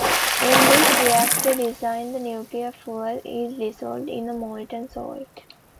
In this reactor design the nuclear fuel is dissolved in a molten salt.